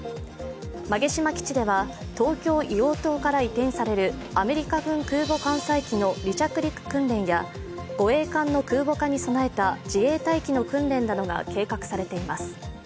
馬毛島基地では東京・硫黄島から移転されるアメリカ軍空母艦載機の離着陸訓練や、護衛艦の空母化に備えた自衛隊機の訓練などが計画されています。